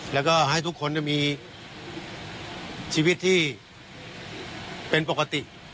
แล้วก็ให้ทุกคนมีชีวิตที่เป็นปกติ